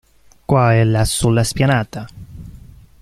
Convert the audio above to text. Qua e là sulla spianata.